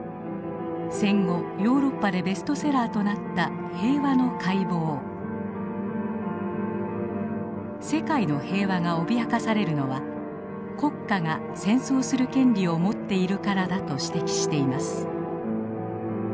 戦後ヨーロッパでベストセラーとなった世界の平和が脅かされるのは「国家が戦争する権利を持っているからだ」と指摘しています。